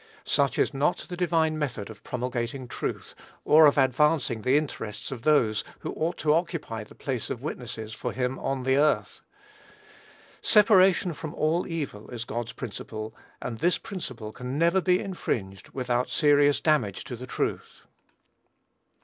Such is not the divine method of promulgating truth, or of advancing the interests of those, who ought to occupy the place of witnesses for him on the earth. Separation from all evil is God's principle; and this principle can never be infringed without serious damage to the truth.